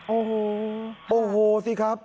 โอ้โหโอ้โหสิครับ